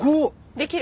できる？